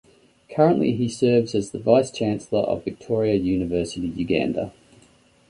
Currently he serves as the Vice Chancellor of Victoria University Uganda.